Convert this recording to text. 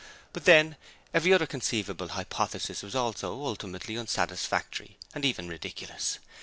But then, every other conceivable hypothesis was also ultimately unsatisfactory and even ridiculous.